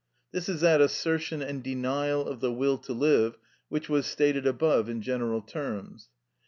This is that assertion and denial of the will to live which was stated above in general terms.